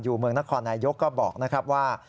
เมืองนครนายกก็บอกนะครับว่า